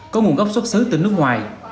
có nguồn gốc xuất xứ từ nước ngoài